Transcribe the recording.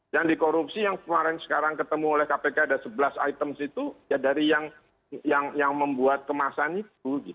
yang di korupsi yang kemarin sekarang ketemu oleh kpk ada sebelas item situ ya dari yang membuat kemasan itu